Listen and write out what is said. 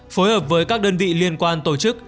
phối hợp với các đơn vị liên quan tổ chức